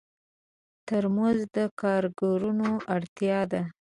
ترموز د کارکوونکو اړتیا ده.